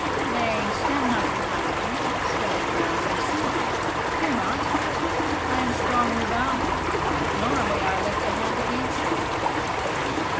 Nay, stand not behind me, stand where I may see thee. Fear not, I am strongly bound, nor may I lift a hand against thee."